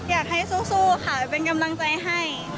อยากให้สู้ค่ะเป็นกำลังใจให้